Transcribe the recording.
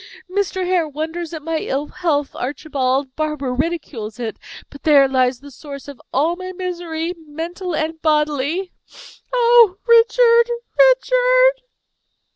Mr. Hare wonders at my ill health, Archibald; Barbara ridicules it; but there lies the source of all my misery, mental and bodily. Oh, Richard! Richard!"